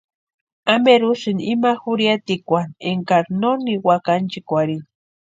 ¿Amperi úsïni imani jurhiatikwan énkari no niwaka ánchikwarhini?